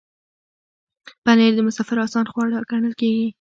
پنېر د مسافرو آسان خواړه ګڼل کېږي.